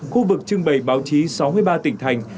khu vực trưng bày báo chí sáu mươi ba tỉnh thành